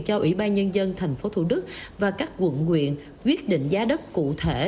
cho ủy ban nhân dân thành phố thủ đức và các quận huyện quyết định giá đất cụ thể